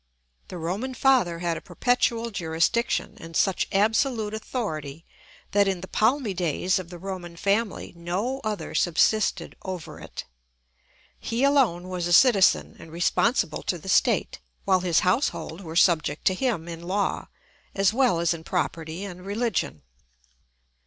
The Roman father had a perpetual jurisdiction and such absolute authority that, in the palmy days of the Roman family, no other subsisted over it. He alone was a citizen and responsible to the state, while his household were subject to him in law, as well as in property and religion.